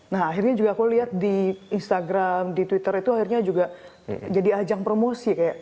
nah akhirnya juga aku lihat di instagram di twitter itu akhirnya juga jadi ajang promosi kayak